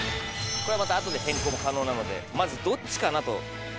これはまた後で変更も可能なのでまずどっちかなと。